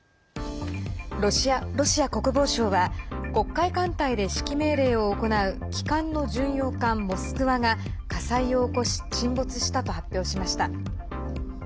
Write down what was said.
ロシア国防省は黒海艦隊で指揮命令を行う旗艦の巡洋艦「モスクワ」が火災を起こし沈没したと発表しました。